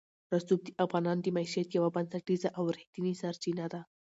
رسوب د افغانانو د معیشت یوه بنسټیزه او رښتینې سرچینه ده.